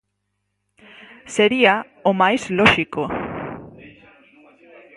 Sería o máis lóxico.